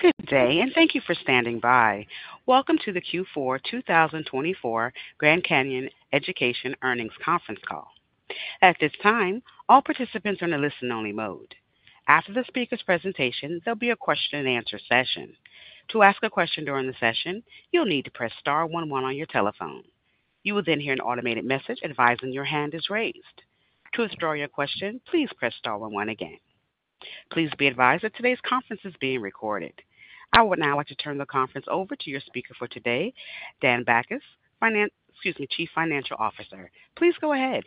Good day, and thank you for standing by. Welcome to the Q4 2024 Grand Canyon Education Earnings Conference Call. At this time, all participants are in a listen-only mode. After the speaker's presentation, there'll be a question-and-answer session. To ask a question during the session, you'll need to press star one one on your telephone. You will then hear an automated message advising your hand is raised. To withdraw your question, please press star one one again. Please be advised that today's conference is being recorded. I would now like to turn the conference over to your speaker for today, Dan Bachus, Chief Financial Officer. Please go ahead.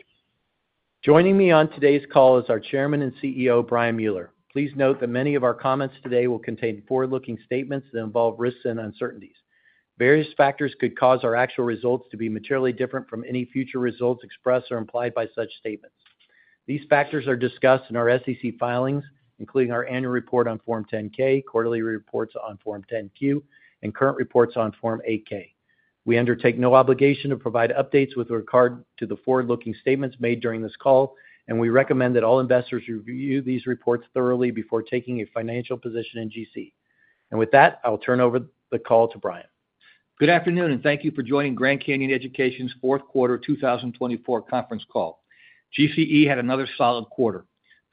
Joining me on today's call is our Chairman and CEO, Brian Mueller. Please note that many of our comments today will contain forward-looking statements that involve risks and uncertainties. Various factors could cause our actual results to be materially different from any future results expressed or implied by such statements. These factors are discussed in our SEC filings, including our annual report on Form 10-K, quarterly reports on Form 10-Q, and current reports on Form 8-K. We undertake no obligation to provide updates with regard to the forward-looking statements made during this call, and we recommend that all investors review these reports thoroughly before taking a financial position in GC, and with that, I will turn over the call to Brian. Good afternoon, and thank you for joining Grand Canyon Education's fourth quarter 2024 conference call. GCE had another solid quarter,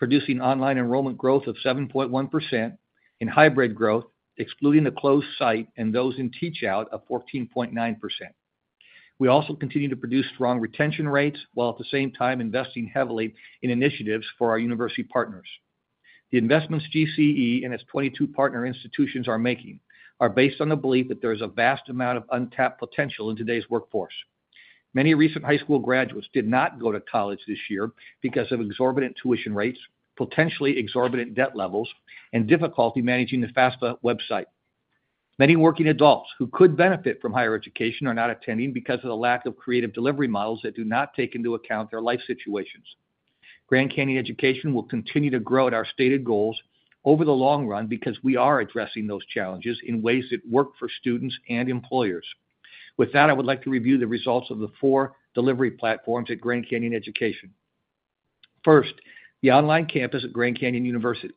producing online enrollment growth of 7.1% in hybrid growth, excluding the closed site and those in teach-out of 14.9%. We also continue to produce strong retention rates while at the same time investing heavily in initiatives for our university partners. The investments GCE and its 22 partner institutions are making are based on the belief that there is a vast amount of untapped potential in today's workforce. Many recent high school graduates did not go to college this year because of exorbitant tuition rates, potentially exorbitant debt levels, and difficulty managing the FAFSA website. Many working adults who could benefit from higher education are not attending because of the lack of creative delivery models that do not take into account their life situations. Grand Canyon Education will continue to grow at our stated goals over the long run because we are addressing those challenges in ways that work for students and employers. With that, I would like to review the results of the four delivery platforms at Grand Canyon Education. First, the online campus at Grand Canyon University.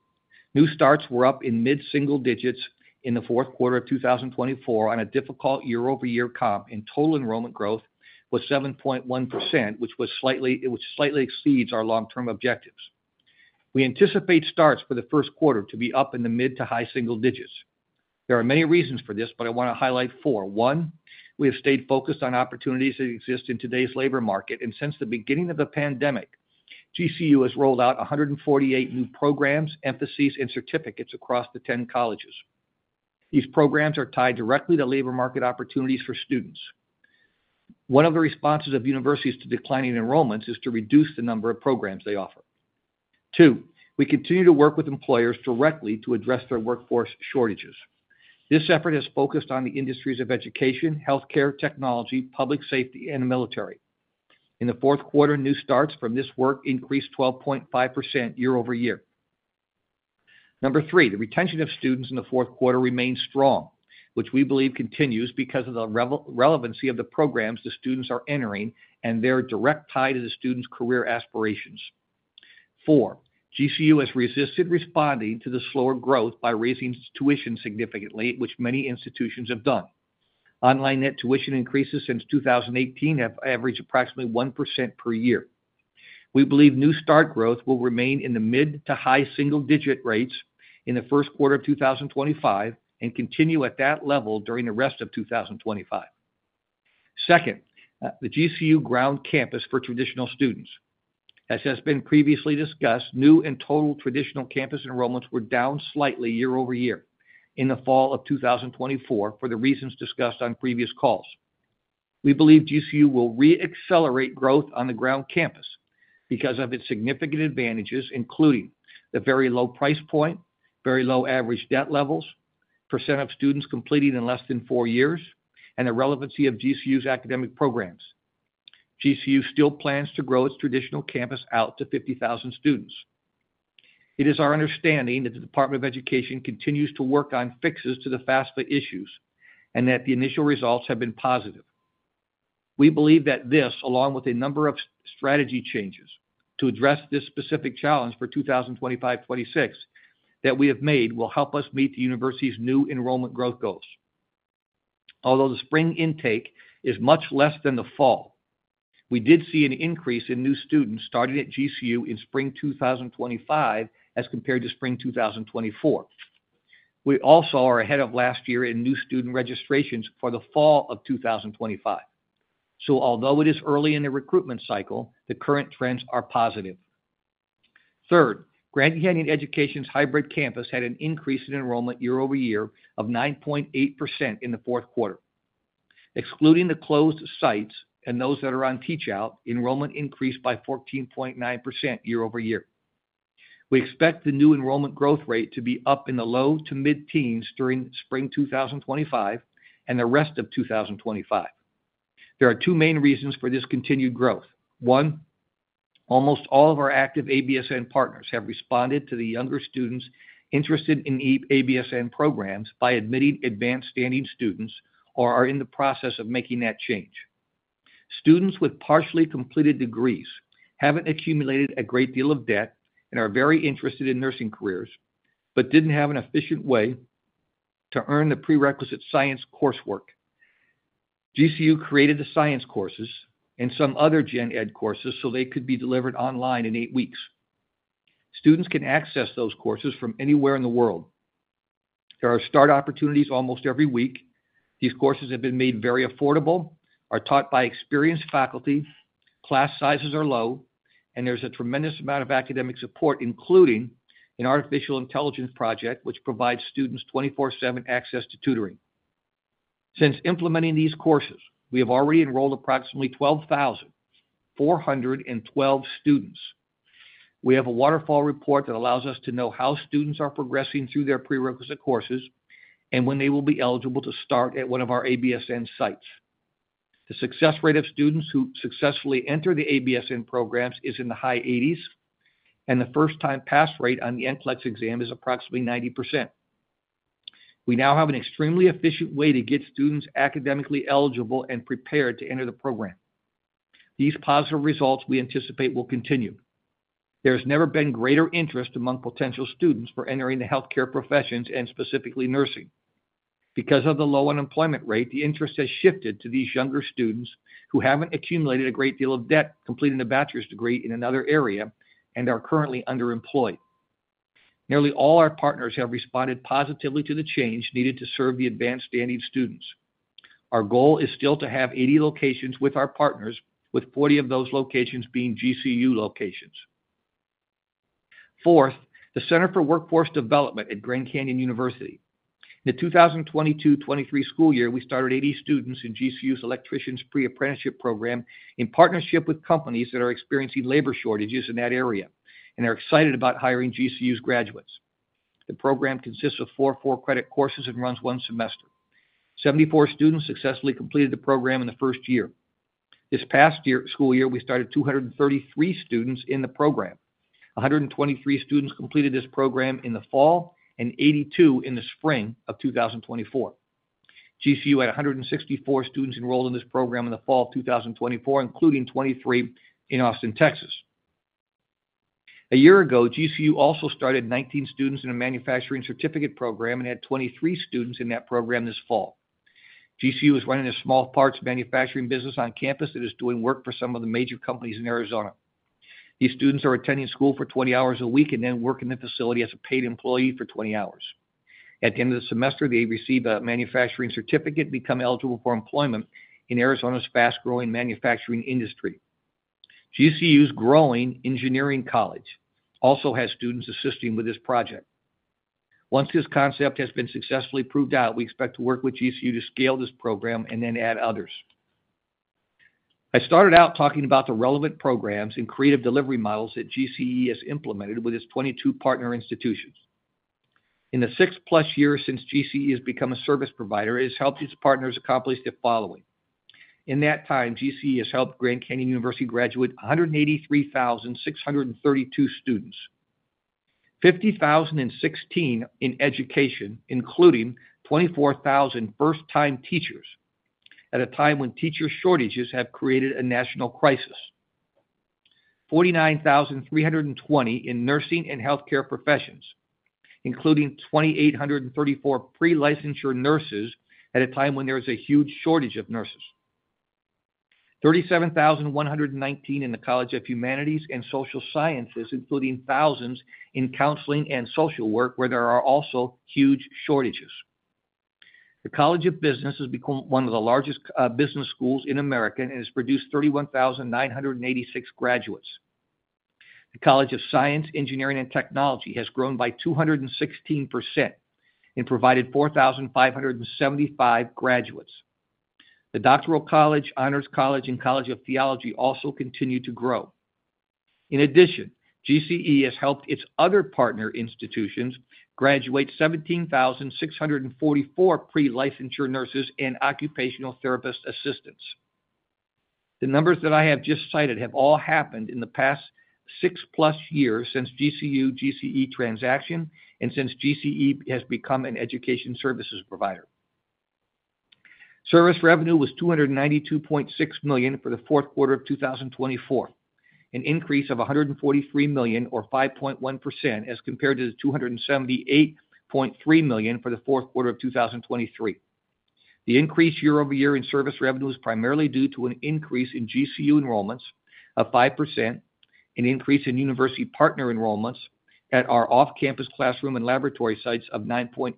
New starts were up in mid-single digits in the fourth quarter of 2024 on a difficult year-over-year comp, and total enrollment growth was 7.1%, which slightly exceeds our long-term objectives. We anticipate starts for the first quarter to be up in the mid to high single digits. There are many reasons for this, but I want to highlight four. One, we have stayed focused on opportunities that exist in today's labor market, and since the beginning of the pandemic, GCU has rolled out 148 new programs, emphases, and certificates across the 10 colleges. These programs are tied directly to labor market opportunities for students. One of the responses of universities to declining enrollments is to reduce the number of programs they offer. Two, we continue to work with employers directly to address their workforce shortages. This effort has focused on the industries of education, healthcare, technology, public safety, and the military. In the fourth quarter, new starts from this work increased 12.5% year-over-year. Number three, the retention of students in the fourth quarter remains strong, which we believe continues because of the relevancy of the programs the students are entering and their direct tie to the students' career aspirations. Four, GCU has resisted responding to the slower growth by raising tuition significantly, which many institutions have done. Online net tuition increases since 2018 have averaged approximately 1% per year. We believe new start growth will remain in the mid to high single-digit rates in the first quarter of 2025 and continue at that level during the rest of 2025. Second, the GCU ground campus for traditional students. As has been previously discussed, new and total traditional campus enrollments were down slightly year-over-year in the fall of 2024 for the reasons discussed on previous calls. We believe GCU will re-accelerate growth on the ground campus because of its significant advantages, including the very low price point, very low average debt levels, percent of students completing in less than four years, and the relevancy of GCU's academic programs. GCU still plans to grow its traditional campus out to 50,000 students. It is our understanding that the Department of Education continues to work on fixes to the FAFSA issues and that the initial results have been positive. We believe that this, along with a number of strategy changes to address this specific challenge for 2025-26 that we have made, will help us meet the university's new enrollment growth goals. Although the spring intake is much less than the fall, we did see an increase in new students starting at GCU in spring 2025 as compared to spring 2024. We also are ahead of last year in new student registrations for the fall of 2025. So although it is early in the recruitment cycle, the current trends are positive. Third, Grand Canyon Education's hybrid campus had an increase in enrollment year-over-year of 9.8% in the fourth quarter. Excluding the closed sites and those that are on teach-out, enrollment increased by 14.9% year-over-year. We expect the new enrollment growth rate to be up in the low to mid-teens during spring 2025 and the rest of 2025. There are two main reasons for this continued growth. One, almost all of our active ABSN partners have responded to the younger students interested in ABSN programs by admitting advanced-standing students or are in the process of making that change. Students with partially completed degrees haven't accumulated a great deal of debt and are very interested in nursing careers but didn't have an efficient way to earn the prerequisite science coursework. GCU created the science courses and some other gen-ed courses so they could be delivered online in eight weeks. Students can access those courses from anywhere in the world. There are start opportunities almost every week. These courses have been made very affordable, are taught by experienced faculty, class sizes are low, and there's a tremendous amount of academic support, including an artificial intelligence project which provides students 24/7 access to tutoring. Since implementing these courses, we have already enrolled approximately 12,412 students. We have a waterfall report that allows us to know how students are progressing through their prerequisite courses and when they will be eligible to start at one of our ABSN sites. The success rate of students who successfully enter the ABSN programs is in the high 80s, and the first-time pass rate on the NCLEX exam is approximately 90%. We now have an extremely efficient way to get students academically eligible and prepared to enter the program. These positive results we anticipate will continue. There has never been greater interest among potential students for entering the healthcare professions and specifically nursing. Because of the low unemployment rate, the interest has shifted to these younger students who haven't accumulated a great deal of debt completing a bachelor's degree in another area and are currently underemployed. Nearly all our partners have responded positively to the change needed to serve the advanced-standing students. Our goal is still to have 80 locations with our partners, with 40 of those locations being GCU locations. Fourth, the Center for Workforce Development at Grand Canyon University. In the 2022-2023 school year, we started 80 students in GCU's electricians' pre-apprenticeship program in partnership with companies that are experiencing labor shortages in that area and are excited about hiring GCU's graduates. The program consists of four four-credit courses and runs one semester. 74 students successfully completed the program in the first year. This past school year, we started 233 students in the program. 123 students completed this program in the fall, and 82 in the spring of 2024. GCU had 164 students enrolled in this program in the fall of 2024, including 23 in Austin, Texas. A year ago, GCU also started 19 students in a manufacturing certificate program and had 23 students in that program this fall. GCU is running a small parts manufacturing business on campus that is doing work for some of the major companies in Arizona. These students are attending school for 20 hours a week and then work in the facility as a paid employee for 20 hours. At the end of the semester, they receive a manufacturing certificate and become eligible for employment in Arizona's fast-growing manufacturing industry. GCU's growing engineering college also has students assisting with this project. Once this concept has been successfully proved out, we expect to work with GCU to scale this program and then add others. I started out talking about the relevant programs and creative delivery models that GCE has implemented with its 22 partner institutions. In the six-plus years since GCE has become a service provider, it has helped its partners accomplish the following. In that time, GCE has helped Grand Canyon University graduate 183,632 students, 50,016 in education, including 24,000 first-time teachers at a time when teacher shortages have created a national crisis, 49,320 in nursing and healthcare professions, including 2,834 pre-licensure nurses at a time when there is a huge shortage of nurses, 37,119 in the College of Humanities and Social Sciences, including thousands in counseling and social work, where there are also huge shortages. The College of Business has become one of the largest business schools in America and has produced 31,986 graduates. The College of Science, Engineering, and Technology has grown by 216% and provided 4,575 graduates. The Doctoral College, Honors College, and College of Theology also continue to grow. In addition, GCE has helped its other partner institutions graduate 17,644 pre-licensure nurses and occupational therapist assistants. The numbers that I have just cited have all happened in the past six-plus years since GCU-GCE transaction and since GCE has become an education services provider. Service revenue was $292.6 million for the fourth quarter of 2024, an increase of $143 million, or 5.1%, as compared to the $278.3 million for the fourth quarter of 2023. The increase year-over-year in service revenue is primarily due to an increase in GCU enrollments of 5%, an increase in university partner enrollments at our off-campus classroom and laboratory sites of 9.8%,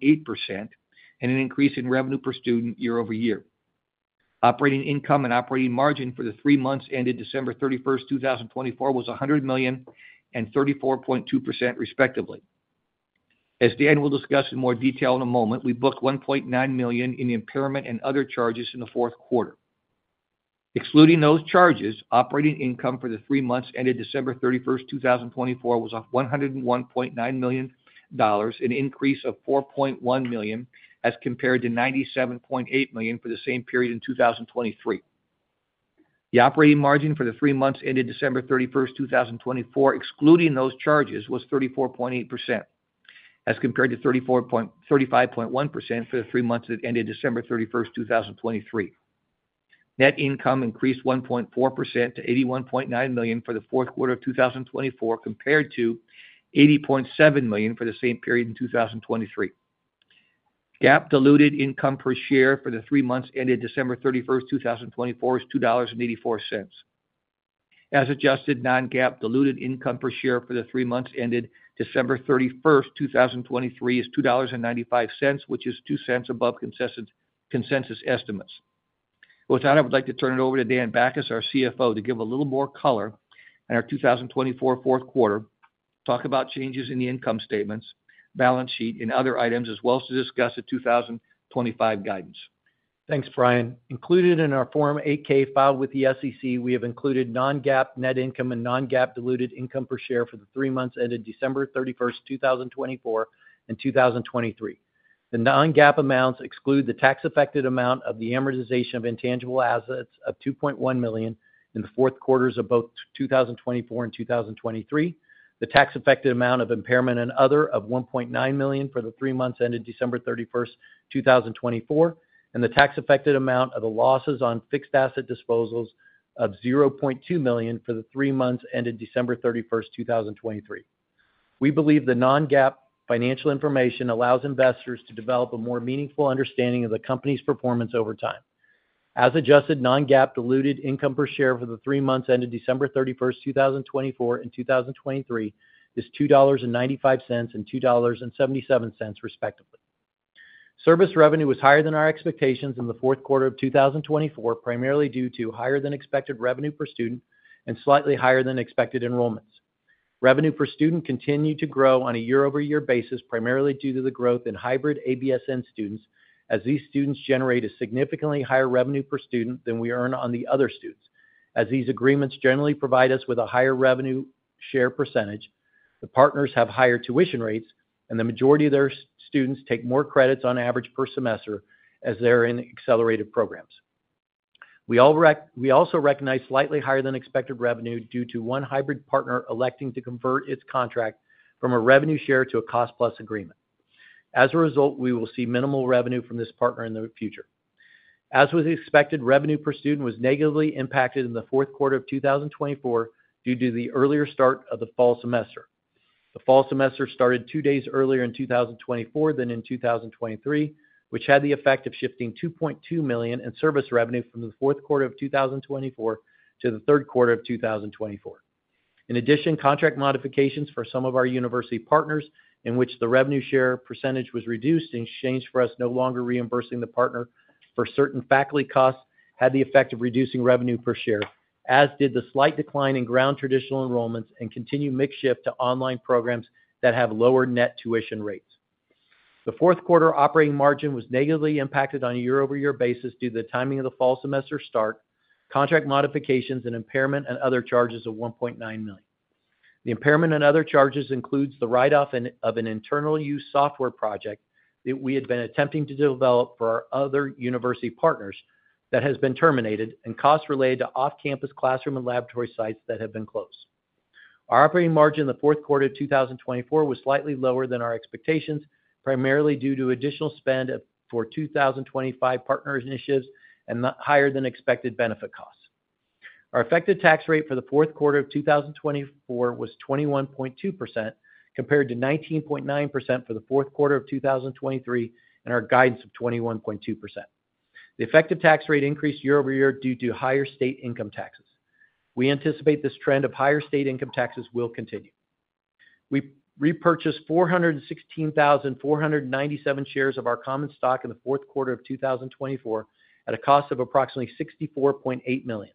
and an increase in revenue per student year-over-year. Operating income and operating margin for the three months ended December 31st, 2024, was $100 million and 34.2%, respectively. As Dan will discuss in more detail in a moment, we booked $1.9 million in impairment and other charges in the fourth quarter. Excluding those charges, operating income for the three months ended December 31st, 2024, was of $101.9 million, an increase of $4.1 million as compared to $97.8 million for the same period in 2023. The operating margin for the three months ended December 31st, 2024, excluding those charges, was 34.8%, as compared to 35.1% for the three months that ended December 31st, 2023. Net income increased 1.4% to $81.9 million for the fourth quarter of 2024, compared to $80.7 million for the same period in 2023. GAAP-diluted income per share for the three months ended December 31st, 2024, is $2.84. As adjusted, non-GAAP diluted income per share for the three months ended December 31st, 2023, is $2.95, which is $0.02 above consensus estimates. With that, I would like to turn it over to Dan Bachus, our CFO, to give a little more color on our 2024 fourth quarter, talk about changes in the income statements, balance sheet, and other items, as well as to discuss the 2025 guidance. Thanks, Brian. Included in our Form 8-K filed with the SEC, we have included non-GAAP net income and non-GAAP diluted income per share for the three months ended December 31st, 2024, and 2023. The non-GAAP amounts exclude the tax-affected amount of the amortization of intangible assets of $2.1 million in the fourth quarters of both 2024 and 2023, the tax-affected amount of impairment and other of $1.9 million for the three months ended December 31st, 2024, and the tax-affected amount of the losses on fixed asset disposals of $0.2 million for the three months ended December 31st, 2023. We believe the non-GAAP financial information allows investors to develop a more meaningful understanding of the company's performance over time. As adjusted, non-GAAP diluted income per share for the three months ended December 31st, 2024, and 2023 is $2.95 and $2.77, respectively. Service revenue was higher than our expectations in the fourth quarter of 2024, primarily due to higher-than-expected revenue per student and slightly higher-than-expected enrollments. Revenue per student continued to grow on a year-over-year basis, primarily due to the growth in hybrid ABSN students, as these students generate a significantly higher revenue per student than we earn on the other students, as these agreements generally provide us with a higher revenue share percentage. The partners have higher tuition rates, and the majority of their students take more credits on average per semester as they're in accelerated programs. We also recognize slightly higher-than-expected revenue due to one hybrid partner electing to convert its contract from a revenue share to a cost-plus agreement. As a result, we will see minimal revenue from this partner in the future. As was expected, revenue per student was negatively impacted in the fourth quarter of 2024 due to the earlier start of the fall semester. The fall semester started two days earlier in 2024 than in 2023, which had the effect of shifting $2.2 million in service revenue from the fourth quarter of 2024 to the third quarter of 2024. In addition, contract modifications for some of our university partners, in which the revenue share percentage was reduced in exchange for us no longer reimbursing the partner for certain faculty costs, had the effect of reducing revenue per share, as did the slight decline in ground traditional enrollments and continued mix shift to online programs that have lower net tuition rates. The fourth quarter operating margin was negatively impacted on a year-over-year basis due to the timing of the fall semester start, contract modifications, and impairment and other charges of $1.9 million. The impairment and other charges include the write-off of an internal use software project that we had been attempting to develop for our other university partners that has been terminated and costs related to off-campus classroom and laboratory sites that have been closed. Our operating margin in the fourth quarter of 2024 was slightly lower than our expectations, primarily due to additional spend for 2025 partner initiatives and higher-than-expected benefit costs. Our effective tax rate for the fourth quarter of 2024 was 21.2%, compared to 19.9% for the fourth quarter of 2023 and our guidance of 21.2%. The effective tax rate increased year-over-year due to higher state income taxes. We anticipate this trend of higher state income taxes will continue. We repurchased 416,497 shares of our common stock in the fourth quarter of 2024 at a cost of approximately $64.8 million,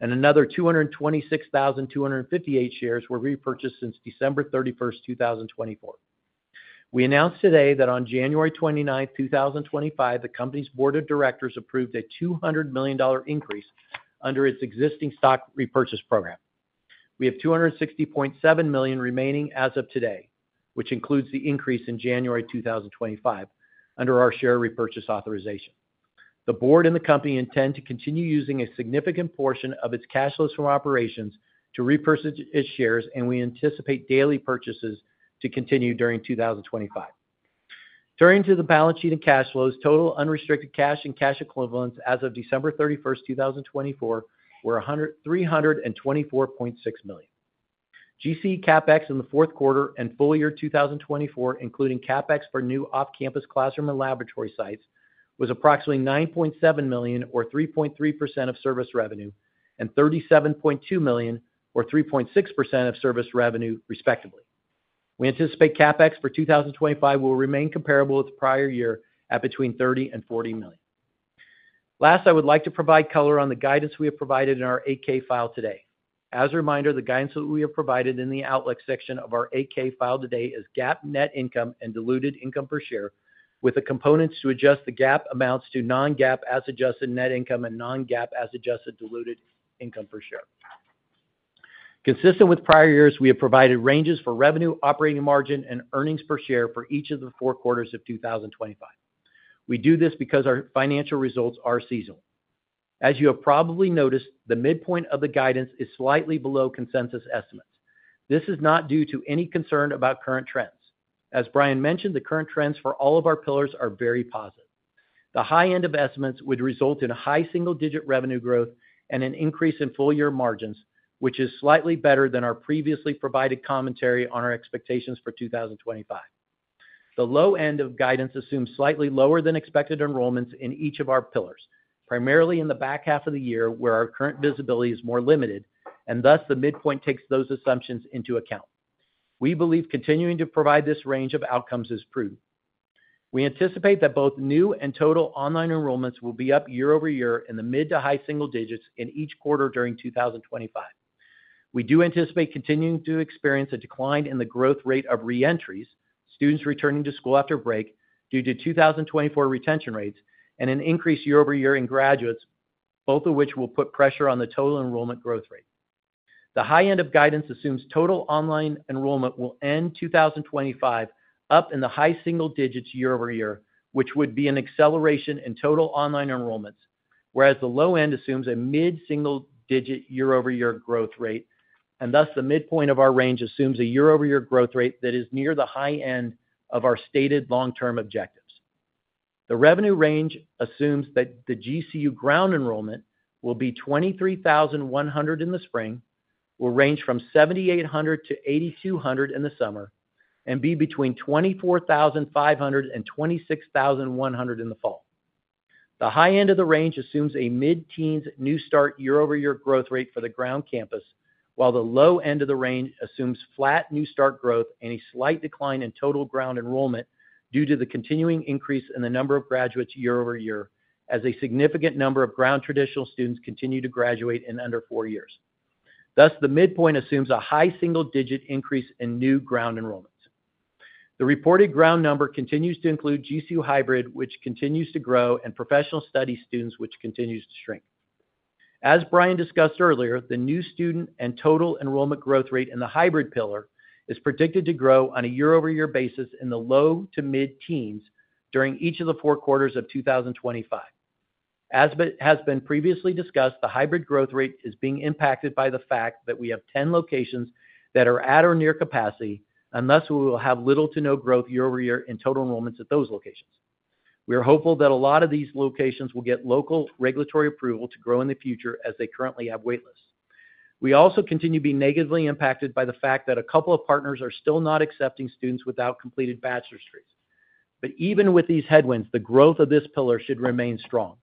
and another 226,258 shares were repurchased since December 31st, 2024. We announced today that on January 29th, 2025, the company's board of directors approved a $200 million increase under its existing stock repurchase program. We have $260.7 million remaining as of today, which includes the increase in January 2025 under our share repurchase authorization. The board and the company intend to continue using a significant portion of its cash flows from operations to repurchase its shares, and we anticipate daily purchases to continue during 2025. Turning to the balance sheet and cash flows, total unrestricted cash and cash equivalents as of December 31st, 2024, were $324.6 million. GCE CapEx in the fourth quarter and full year 2024, including CapEx for new off-campus classroom and laboratory sites, was approximately $9.7 million, or 3.3% of service revenue, and $37.2 million, or 3.6% of service revenue, respectively. We anticipate CapEx for 2025 will remain comparable with the prior year at between $30 and $40 million. Last, I would like to provide color on the guidance we have provided in our 8K file today. As a reminder, the guidance that we have provided in the outlook section of our 8-K filing today is GAAP net income and diluted earnings per share, with the components to adjust the GAAP amounts to non-GAAP as adjusted net income and non-GAAP as adjusted diluted earnings per share. Consistent with prior years, we have provided ranges for revenue, operating margin, and earnings per share for each of the four quarters of 2025. We do this because our financial results are seasonal. As you have probably noticed, the midpoint of the guidance is slightly below consensus estimates. This is not due to any concern about current trends. As Brian mentioned, the current trends for all of our pillars are very positive. The high end of estimates would result in high single-digit revenue growth and an increase in full-year margins, which is slightly better than our previously provided commentary on our expectations for 2025. The low end of guidance assumes slightly lower-than-expected enrollments in each of our pillars, primarily in the back half of the year, where our current visibility is more limited, and thus the midpoint takes those assumptions into account. We believe continuing to provide this range of outcomes is prudent. We anticipate that both new and total online enrollments will be up year-over-year in the mid to high single digits in each quarter during 2025. We do anticipate continuing to experience a decline in the growth rate of reentries, students returning to school after break due to 2024 retention rates, and an increase year-over-year in graduates, both of which will put pressure on the total enrollment growth rate. The high end of guidance assumes total online enrollment will end 2025 up in the high single digits year-over-year, which would be an acceleration in total online enrollments, whereas the low end assumes a mid-single-digit year-over-year growth rate, and thus the midpoint of our range assumes a year-over-year growth rate that is near the high end of our stated long-term objectives. The revenue range assumes that the GCU ground enrollment will be 23,100 in the spring, will range from 7,800-8,200 in the summer, and be between 24,500 and 26,100 in the fall. The high end of the range assumes a mid-teens new start year-over-year growth rate for the ground campus, while the low end of the range assumes flat new start growth and a slight decline in total ground enrollment due to the continuing increase in the number of graduates year-over-year as a significant number of ground traditional students continue to graduate in under four years. Thus, the midpoint assumes a high single-digit increase in new ground enrollments. The reported ground number continues to include GCU hybrid, which continues to grow, and professional study students, which continues to shrink. As Brian discussed earlier, the new student and total enrollment growth rate in the hybrid pillar is predicted to grow on a year-over-year basis in the low to mid-teens during each of the four quarters of 2025. As has been previously discussed, the hybrid growth rate is being impacted by the fact that we have 10 locations that are at or near capacity, and thus we will have little to no growth year-over-year in total enrollments at those locations. We are hopeful that a lot of these locations will get local regulatory approval to grow in the future as they currently have waitlists. We also continue to be negatively impacted by the fact that a couple of partners are still not accepting students without completed bachelor's degrees. But even with these headwinds, the growth of this pillar should remain strong.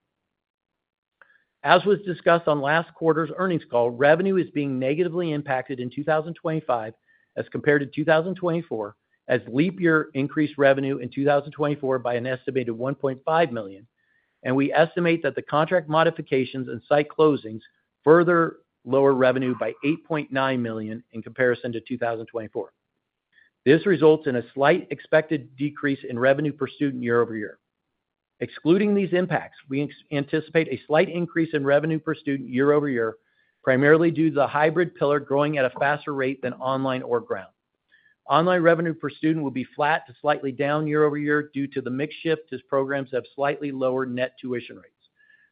As was discussed on last quarter's earnings call, revenue is being negatively impacted in 2025 as compared to 2024, as leap year increased revenue in 2024 by an estimated $1.5 million, and we estimate that the contract modifications and site closings further lower revenue by $8.9 million in comparison to 2024. This results in a slight expected decrease in revenue per student year-over-year. Excluding these impacts, we anticipate a slight increase in revenue per student year-over-year, primarily due to the hybrid pillar growing at a faster rate than online or ground. Online revenue per student will be flat to slightly down year-over-year due to the mix shift as programs have slightly lower net tuition rates.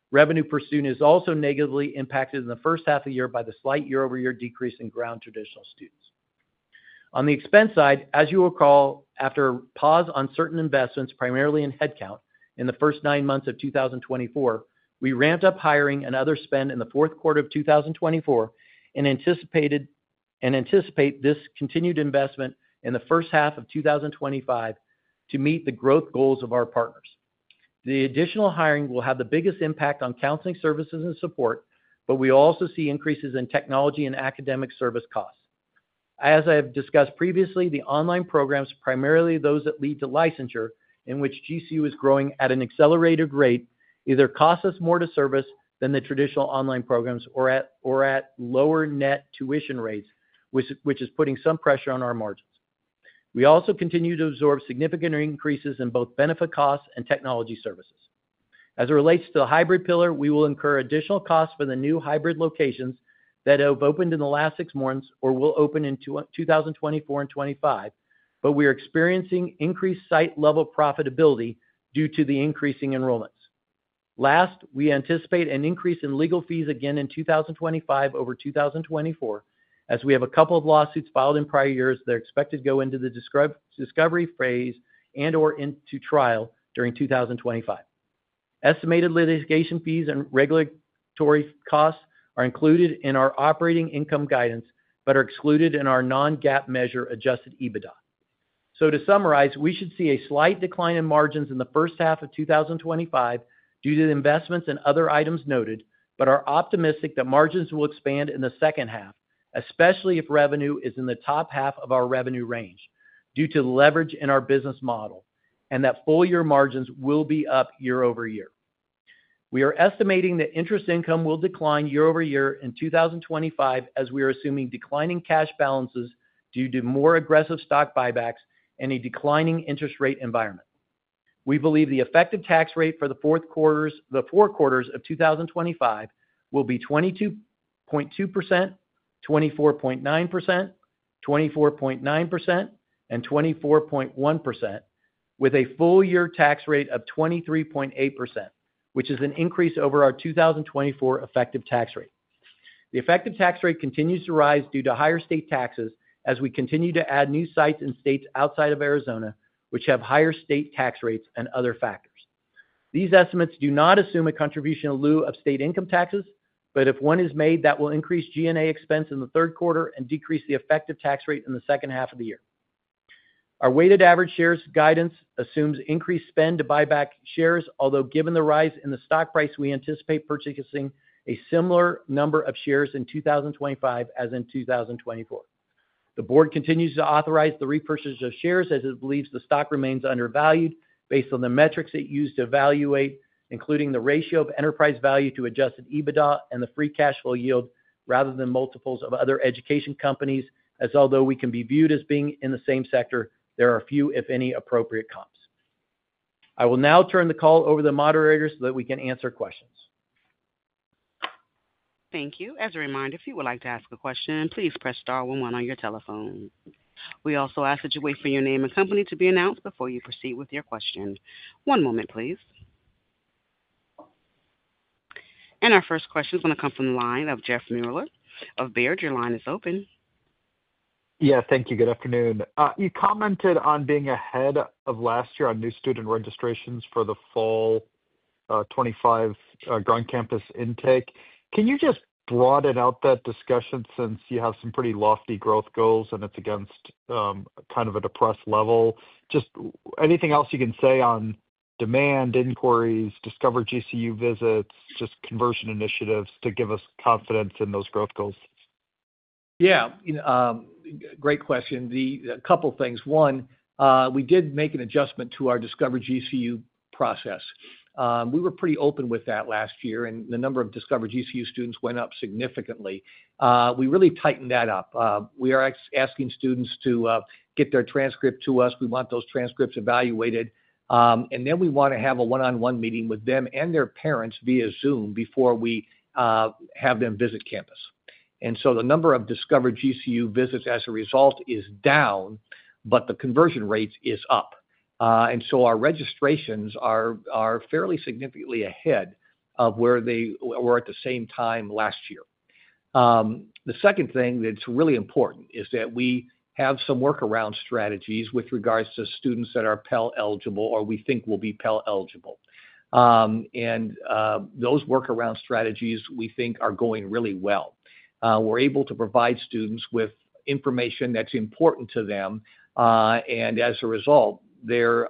Revenue per student is also negatively impacted in the first half of the year by the slight year-over-year decrease in ground traditional students. On the expense side, as you will recall, after a pause on certain investments, primarily in headcount in the first nine months of 2024, we ramped up hiring and other spend in the fourth quarter of 2024 and anticipate this continued investment in the first half of 2025 to meet the growth goals of our partners. The additional hiring will have the biggest impact on counseling services and support, but we also see increases in technology and academic service costs. As I have discussed previously, the online programs, primarily those that lead to licensure, in which GCU is growing at an accelerated rate, either costs us more to service than the traditional online programs or at lower net tuition rates, which is putting some pressure on our margins. We also continue to absorb significant increases in both benefit costs and technology services. As it relates to the hybrid pillar, we will incur additional costs for the new hybrid locations that have opened in the last six months or will open in 2024 and 2025, but we are experiencing increased site-level profitability due to the increasing enrollments. Last, we anticipate an increase in legal fees again in 2025 over 2024, as we have a couple of lawsuits filed in prior years that are expected to go into the discovery phase and/or into trial during 2025. Estimated litigation fees and regulatory costs are included in our operating income guidance but are excluded in our non-GAAP measure adjusted EBITDA. So to summarize, we should see a slight decline in margins in the first half of 2025 due to the investments and other items noted, but are optimistic that margins will expand in the second half, especially if revenue is in the top half of our revenue range due to leverage in our business model, and that full-year margins will be up year-over-year. We are estimating that interest income will decline year-over-year in 2025 as we are assuming declining cash balances due to more aggressive stock buybacks and a declining interest rate environment. We believe the effective tax rate for the four quarters of 2025 will be 22.2%, 24.9%, 24.9%, and 24.1%, with a full-year tax rate of 23.8%, which is an increase over our 2024 effective tax rate. The effective tax rate continues to rise due to higher state taxes as we continue to add new sites and states outside of Arizona, which have higher state tax rates and other factors. These estimates do not assume a contribution in lieu of state income taxes, but if one is made, that will increase G&A expense in the third quarter and decrease the effective tax rate in the second half of the year. Our weighted average shares guidance assumes increased spend to buyback shares, although given the rise in the stock price, we anticipate purchasing a similar number of shares in 2025 as in 2024. The board continues to authorize the repurchase of shares as it believes the stock remains undervalued based on the metrics it used to evaluate, including the ratio of enterprise value to adjusted EBITDA and the free cash flow yield rather than multiples of other education companies, as although we can be viewed as being in the same sector, there are a few, if any, appropriate comps. I will now turn the call over to the moderator so that we can answer questions. Thank you. As a reminder, if you would like to ask a question, please press star one one one your telephone. We also ask that you wait for your name and company to be announced before you proceed with your question. One moment, please. And our first question is going to come from the line of Jeff Meuler of Baird. Your line is open. Yeah, thank you. Good afternoon. You commented on being ahead of last year on new student registrations for the fall 2025 ground campus intake. Can you just broaden out that discussion since you have some pretty lofty growth goals and it's against kind of a depressed level? Just anything else you can say on demand inquiries, Discover GCU visits, just conversion initiatives to give us confidence in those growth goals? Yeah. Great question. A couple of things. One, we did make an adjustment to our Discover GCU process. We were pretty open with that last year, and the number of Discover GCU students went up significantly. We really tightened that up. We are asking students to get their transcript to us. We want those transcripts evaluated. And then we want to have a one-on-one meeting with them and their parents via Zoom before we have them visit campus. And so the number of Discover GCU visits as a result is down, but the conversion rate is up. And so our registrations are fairly significantly ahead of where they were at the same time last year. The second thing that's really important is that we have some workaround strategies with regards to students that are Pell eligible or we think will be Pell eligible. And those workaround strategies, we think, are going really well. We're able to provide students with information that's important to them, and as a result, they're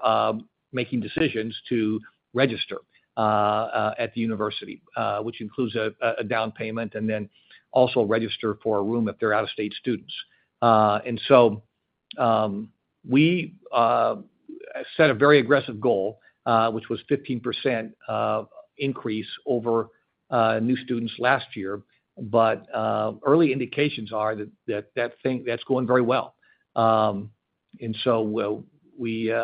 making decisions to register at the university, which includes a down payment and then also register for a room if they're out-of-state students. And so we set a very aggressive goal, which was a 15% increase over new students last year, but early indications are that that's going very well. And so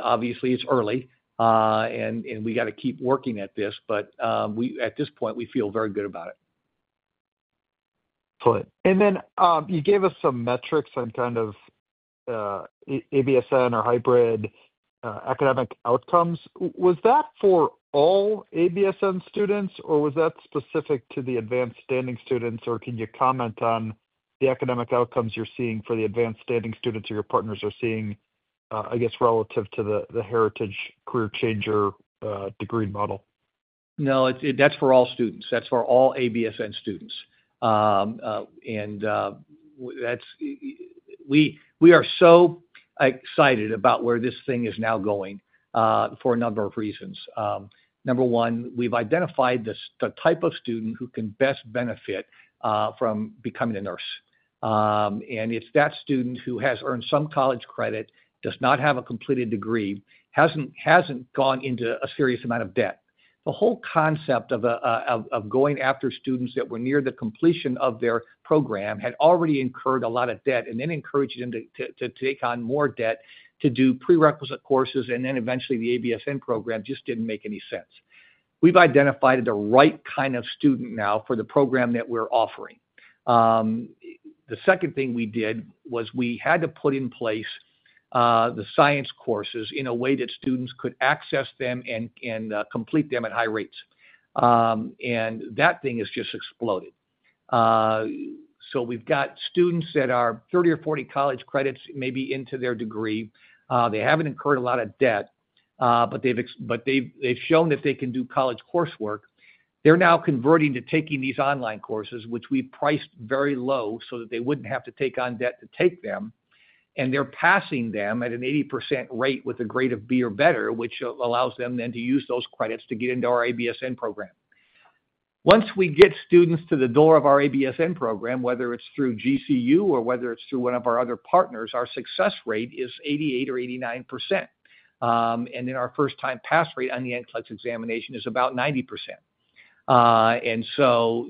obviously, it's early, and we got to keep working at this, but at this point, we feel very good about it. Good. And then you gave us some metrics on kind of ABSN or hybrid academic outcomes. Was that for all ABSN students, or was that specific to the advanced standing students, or can you comment on the academic outcomes you're seeing for the advanced standing students or your partners are seeing, I guess, relative to the Heritage Career Changer degree model? No, that's for all students. That's for all ABSN students. And we are so excited about where this thing is now going for a number of reasons. Number one, we've identified the type of student who can best benefit from becoming a nurse. And it's that student who has earned some college credit, does not have a completed degree, hasn't gone into a serious amount of debt. The whole concept of going after students that were near the completion of their program had already incurred a lot of debt and then encouraged them to take on more debt to do prerequisite courses, and then eventually the ABSN program just didn't make any sense. We've identified the right kind of student now for the program that we're offering. The second thing we did was we had to put in place the science courses in a way that students could access them and complete them at high rates. And that thing has just exploded. So we've got students that are 30 or 40 college credits maybe into their degree. They haven't incurred a lot of debt, but they've shown that they can do college coursework. They're now converting to taking these online courses, which we've priced very low so that they wouldn't have to take on debt to take them. And they're passing them at an 80% rate with a grade of B or better, which allows them then to use those credits to get into our ABSN program. Once we get students to the door of our ABSN program, whether it's through GCU or whether it's through one of our other partners, our success rate is 88% or 89%. And then our first-time pass rate on the NCLEX examination is about 90%. And so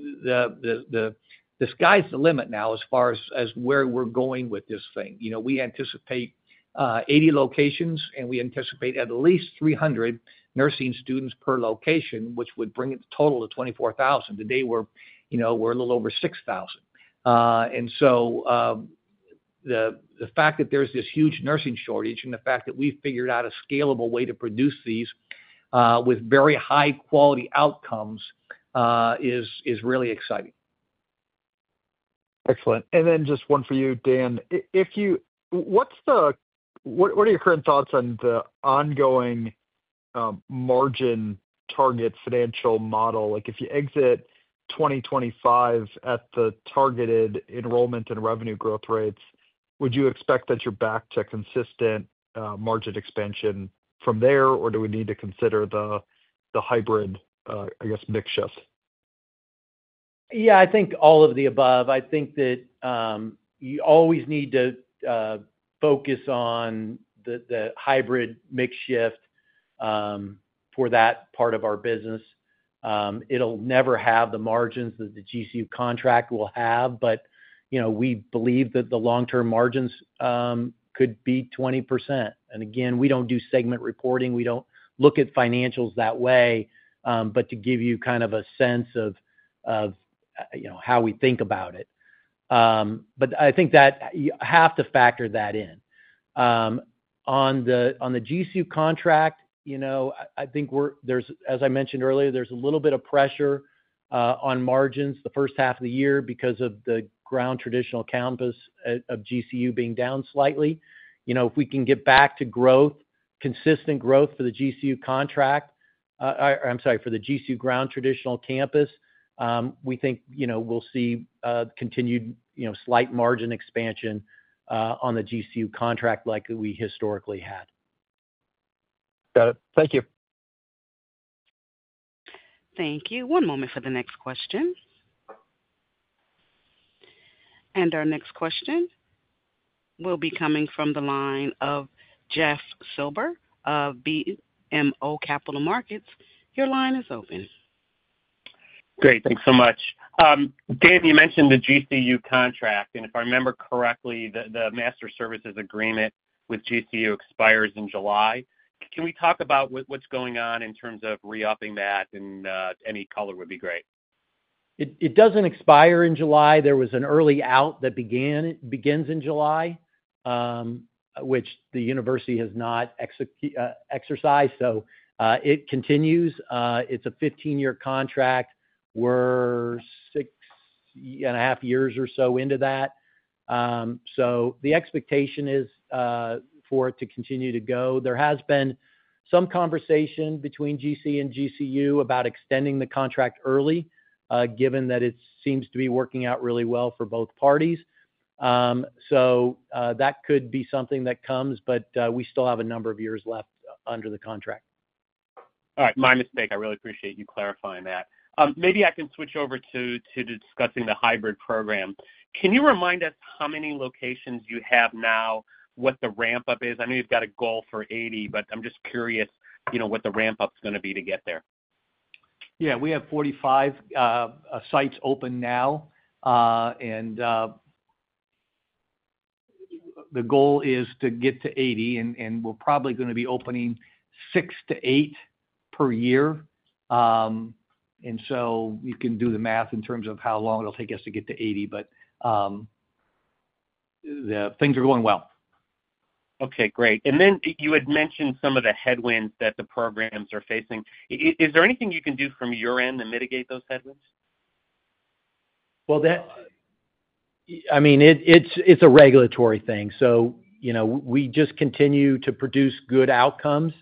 the sky's the limit now as far as where we're going with this thing. We anticipate 80 locations, and we anticipate at least 300 nursing students per location, which would bring it to a total of 24,000. Today, we're a little over 6,000. So the fact that there's this huge nursing shortage and the fact that we've figured out a scalable way to produce these with very high-quality outcomes is really exciting. Excellent. Then just one for you, Dan. What are your current thoughts on the ongoing margin target financial model? If you exit 2025 at the targeted enrollment and revenue growth rates, would you expect that you're back to consistent margin expansion from there, or do we need to consider the hybrid, I guess, mix shift? Yeah, I think all of the above. I think that you always need to focus on the hybrid mix shift for that part of our business. It'll never have the margins that the GCU contract will have, but we believe that the long-term margins could be 20%. Again, we don't do segment reporting. We don't look at financials that way, but to give you kind of a sense of how we think about it, but I think that you have to factor that in. On the GCU contract, I think, as I mentioned earlier, there's a little bit of pressure on margins the first half of the year because of the Grand traditional campus of GCU being down slightly. If we can get back to consistent growth for the GCU contract, I'm sorry, for the GCU Grand traditional campus, we think we'll see continued slight margin expansion on the GCU contract like we historically had. Got it. Thank you. Thank you. One moment for the next question, and our next question will be coming from the line of Jeff Silber of BMO Capital Markets. Your line is open. Great. Thanks so much. Dan, you mentioned the GCU contract, and if I remember correctly, the master services agreement with GCU expires in July. Can we talk about what's going on in terms of re-upping that, and any color would be great. It doesn't expire in July. There was an early out that begins in July, which the university has not exercised. So it continues. It's a 15-year contract. We're six and a half years or so into that. So the expectation is for it to continue to go. There has been some conversation between GCE and GCU about extending the contract early, given that it seems to be working out really well for both parties. So that could be something that comes, but we still have a number of years left under the contract. All right. My mistake. I really appreciate you clarifying that. Maybe I can switch over to discussing the hybrid program. Can you remind us how many locations you have now, what the ramp-up is? I know you've got a goal for 80, but I'm just curious what the ramp-up is going to be to get there. Yeah. We have 45 sites open now, and the goal is to get to 80. And we're probably going to be opening six to eight per year. And so you can do the math in terms of how long it'll take us to get to 80, but things are going well. Okay. Great. And then you had mentioned some of the headwinds that the programs are facing. Is there anything you can do from your end to mitigate those headwinds? Well, I mean, it's a regulatory thing. So we just continue to produce good outcomes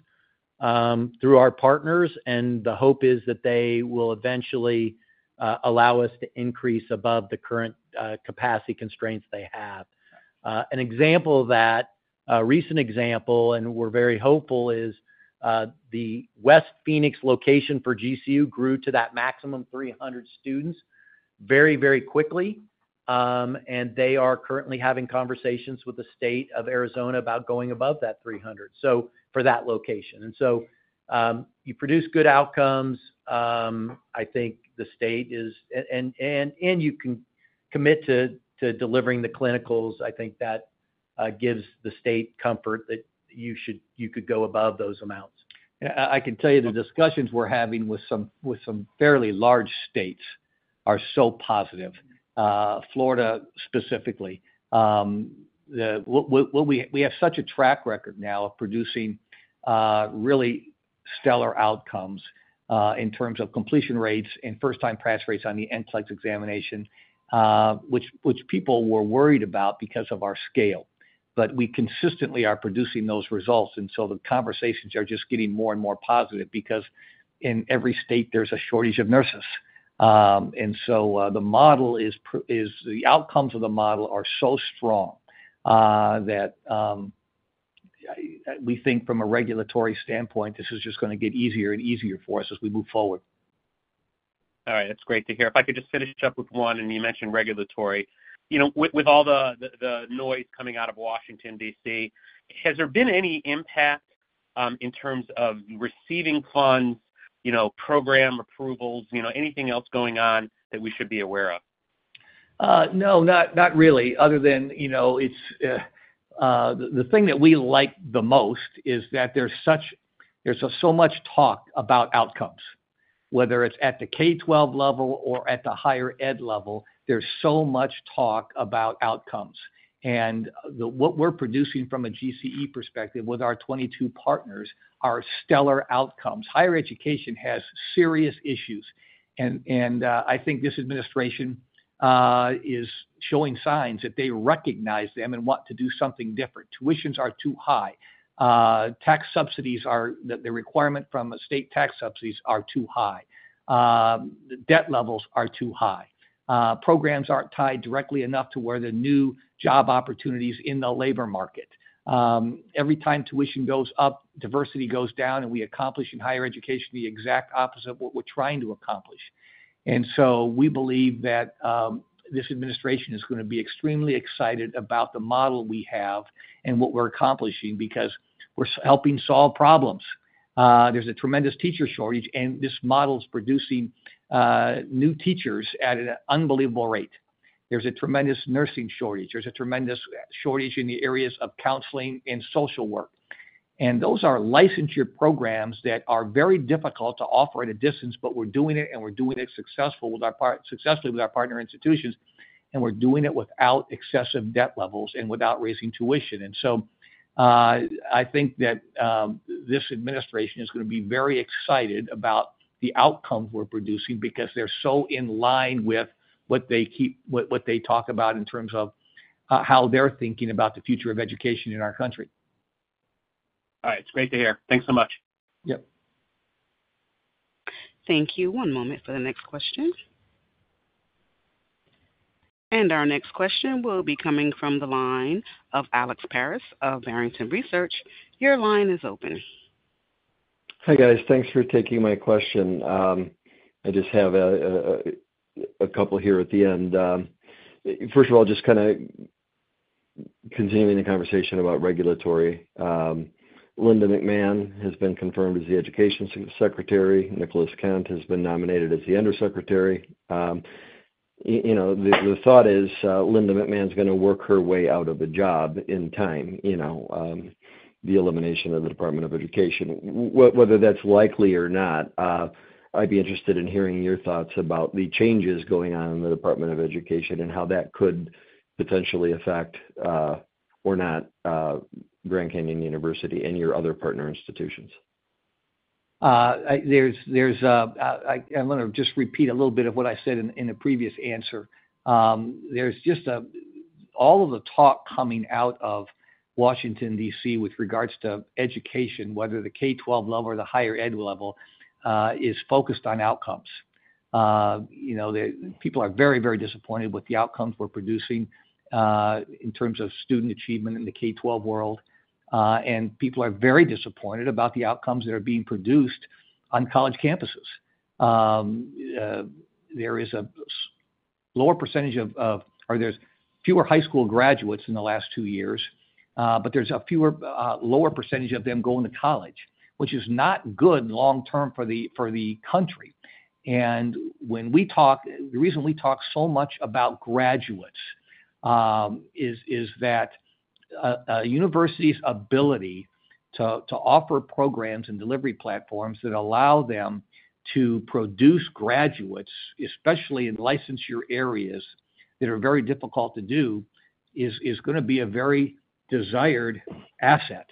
through our partners, and the hope is that they will eventually allow us to increase above the current capacity constraints they have. An example of that, a recent example, and we're very hopeful, is the West Phoenix location for GCU grew to that maximum 300 students very, very quickly. And they are currently having conversations with the state of Arizona about going above that 300 for that location. And so you produce good outcomes. I think the state is, and you can commit to delivering the clinicals. I think that gives the state comfort that you could go above those amounts. I can tell you the discussions we're having with some fairly large states are so positive. Florida, specifically. We have such a track record now of producing really stellar outcomes in terms of completion rates and first-time pass rates on the NCLEX examination, which people were worried about because of our scale. But we consistently are producing those results. And so the conversations are just getting more and more positive because in every state, there's a shortage of nurses. And so the outcomes of the model are so strong that we think from a regulatory standpoint, this is just going to get easier and easier for us as we move forward. All right. That's great to hear. If I could just finish up with one, and you mentioned regulatory. With all the noise coming out of Washington, D.C., has there been any impact in terms of receiving funds, program approvals, anything else going on that we should be aware of? No, not really, other than the thing that we like the most is that there's so much talk about outcomes, whether it's at the K-12 level or at the higher ed level. There's so much talk about outcomes, and what we're producing from a GCE perspective with our 22 partners are stellar outcomes. Higher education has serious issues, and I think this administration is showing signs that they recognize them and want to do something different. Tuitions are too high. Tax subsidies are the requirement from state tax subsidies are too high. Debt levels are too high. Programs aren't tied directly enough to where the new job opportunities in the labor market. Every time tuition goes up, diversity goes down, and we accomplish in higher education the exact opposite of what we're trying to accomplish. So we believe that this administration is going to be extremely excited about the model we have and what we're accomplishing because we're helping solve problems. There's a tremendous teacher shortage, and this model is producing new teachers at an unbelievable rate. There's a tremendous nursing shortage. There's a tremendous shortage in the areas of counseling and social work. Those are licensure programs that are very difficult to offer at a distance, but we're doing it, and we're doing it successfully with our partner institutions, and we're doing it without excessive debt levels and without raising tuition. So I think that this administration is going to be very excited about the outcomes we're producing because they're so in line with what they talk about in terms of how they're thinking about the future of education in our country. All right. It's great to hear. Thanks so much. Yep. Thank you. One moment for the next question. And our next question will be coming from the line of Alex Paris of Barrington Research. Your line is open. Hi guys. Thanks for taking my question. I just have a couple here at the end. First of all, just kind of continuing the conversation about regulatory. Linda McMahon has been confirmed as the Education Secretary. Nicholas Kent has been nominated as the Undersecretary. The thought is Linda McMahon is going to work her way out of the job in time, the elimination of the Department of Education. Whether that's likely or not, I'd be interested in hearing your thoughts about the changes going on in the Department of Education and how that could potentially affect or not Grand Canyon University and your other partner institutions. I want to just repeat a little bit of what I said in a previous answer. There's just all of the talk coming out of Washington, D.C., with regards to education, whether the K-12 level or the higher ed level, is focused on outcomes. People are very, very disappointed with the outcomes we're producing in terms of student achievement in the K-12 world. And people are very disappointed about the outcomes that are being produced on college campuses. There is a lower percentage of, or there's fewer high school graduates in the last two years, but there's a lower percentage of them going to college, which is not good long-term for the country. And the reason we talk so much about graduates is that a university's ability to offer programs and delivery platforms that allow them to produce graduates, especially in licensure areas that are very difficult to do, is going to be a very desired asset.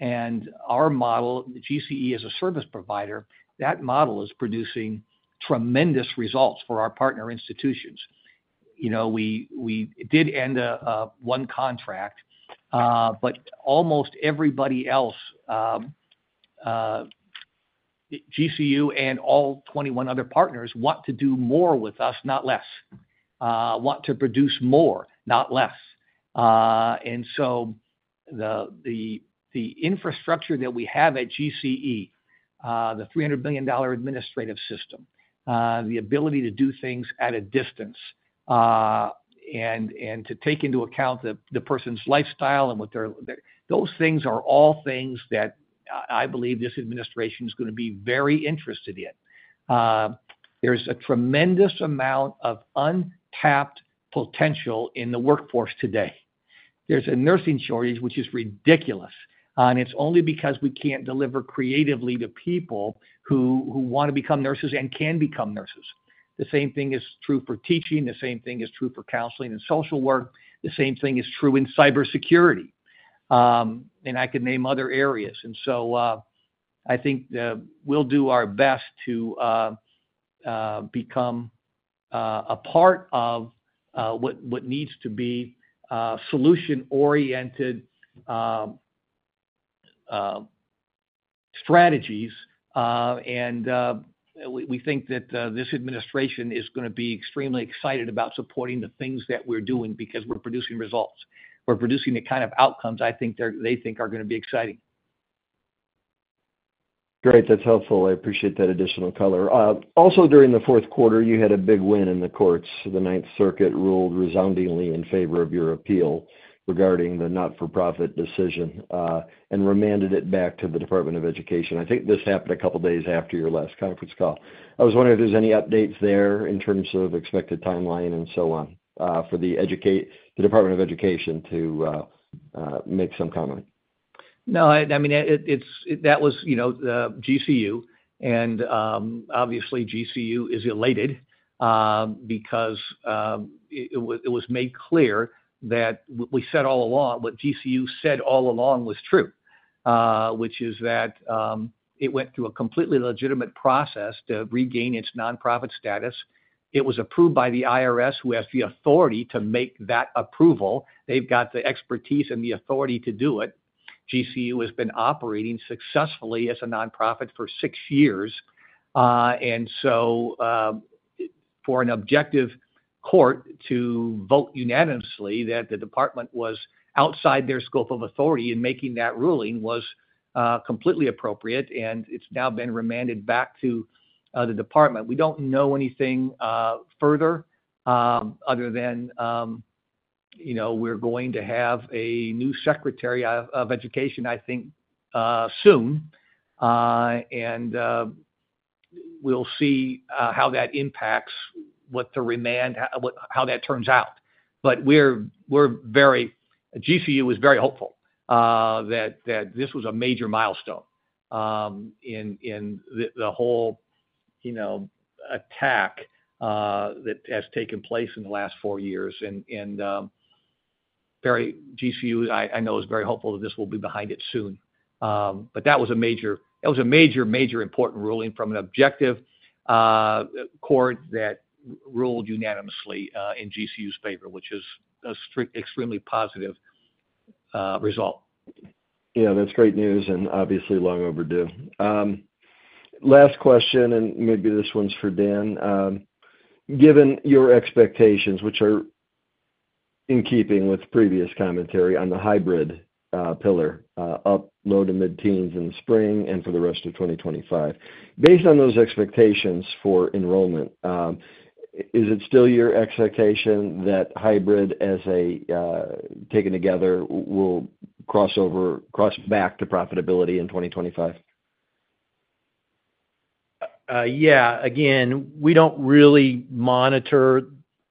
And our model, GCE as a service provider, that model is producing tremendous results for our partner institutions. We did end one contract, but almost everybody else, GCU and all 21 other partners, want to do more with us, not less. Want to produce more, not less. And so the infrastructure that we have at GCE, the $300 million administrative system, the ability to do things at a distance, and to take into account the person's lifestyle and what they're those things are all things that I believe this administration is going to be very interested in. There's a tremendous amount of untapped potential in the workforce today. There's a nursing shortage, which is ridiculous, and it's only because we can't deliver creatively to people who want to become nurses and can become nurses. The same thing is true for teaching. The same thing is true for counseling and social work. The same thing is true in cybersecurity, and I could name other areas, and so I think we'll do our best to become a part of what needs to be solution-oriented strategies, and we think that this administration is going to be extremely excited about supporting the things that we're doing because we're producing results. We're producing the kind of outcomes I think they think are going to be exciting. Great. That's helpful. I appreciate that additional color. Also, during the fourth quarter, you had a big win in the courts. The Ninth Circuit ruled resoundingly in favor of your appeal regarding the not-for-profit decision and remanded it back to the Department of Education. I think this happened a couple of days after your last conference call. I was wondering if there's any updates there in terms of expected timeline and so on for the Department of Education to make some comment? No, I mean, that was GCU. And obviously, GCU is elated because it was made clear that what we said all along, what GCU said all along was true, which is that it went through a completely legitimate process to regain its nonprofit status. It was approved by the IRS, who has the authority to make that approval. They've got the expertise and the authority to do it. GCU has been operating successfully as a nonprofit for six years. And so for an objective court to vote unanimously that the department was outside their scope of authority in making that ruling was completely appropriate, and it's now been remanded back to the department. We don't know anything further other than we're going to have a new Secretary of Education, I think, soon. And we'll see how that impacts how that turns out. But GCU was very hopeful that this was a major milestone in the whole attack that has taken place in the last four years. And GCU, I know, is very hopeful that this will be behind it soon. But that was a major, major, major important ruling from an objective court that ruled unanimously in GCU's favor, which is an extremely positive result. Yeah. That's great news and obviously long overdue. Last question, and maybe this one's for Dan. Given your expectations, which are in keeping with previous commentary on the hybrid pillar up low to mid-teens in the spring, and for the rest of 2025, based on those expectations for enrollment, is it still your expectation that hybrid as a taken together will cross back to profitability in 2025? Yeah. Again, we don't really monitor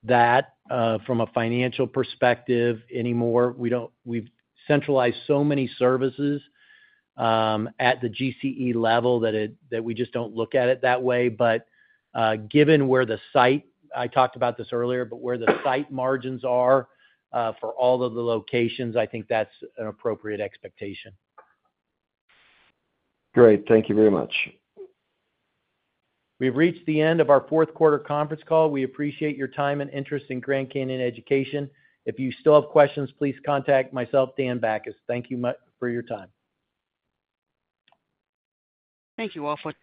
that from a financial perspective anymore. We've centralized so many services at the GCE level that we just don't look at it that way. But given where the site I talked about this earlier, but where the site margins are for all of the locations, I think that's an appropriate expectation. Great. Thank you very much. We've reached the end of our fourth quarter conference call. We appreciate your time and interest in Grand Canyon Education. If you still have questions, please contact myself, Dan Bachus. Thank you for your time. Thank you all for.